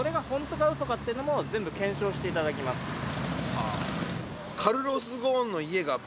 ああ。